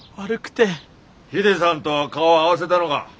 ヒデさんとは顔合わせたのが？